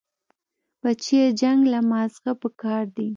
بچيه جنگ له مازغه پکار دي.